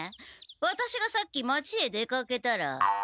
ワタシがさっき町へ出かけたら。